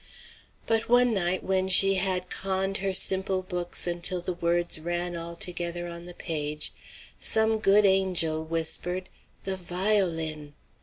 But one night, when she had conned her simple books until the words ran all together on the page, some good angel whispered, "The violin!"